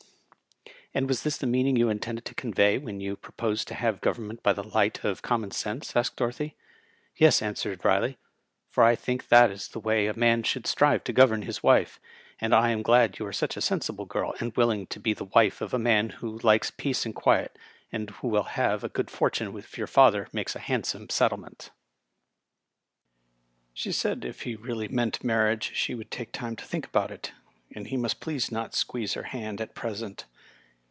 " And was this the meaning you intended to convey when you proposed to have government by the light of common sense ?" asked Dorothy. " Yes," answered Riley, " for I think that is the way a man should strive to govern his wife. And I am glad you are such a sensible girl, and willing to be the wife of a man who likes peace and quiet, and who will have a good fortune if your father makes a handsome settle ment." Digitized by VjOOQIC 164 RILEY, M.P. She said if he really meant marriage she would take time to think abont it, and he most please not squeeze her hand at present.